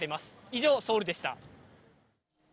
以上、ソウルでした。